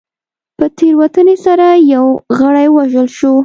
په تېروتنې سره یو غړی ووژل شو.